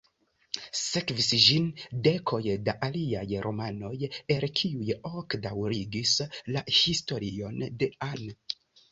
Sekvis ĝin dekoj da aliaj romanoj, el kiuj ok daŭrigis la historion de Anne.